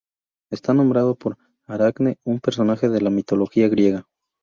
Está nombrado por Aracne, un personaje de la mitología griega.